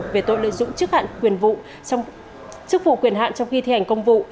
về tội lợi dụng chức hạn quyền vụ trong khi thi hành công vụ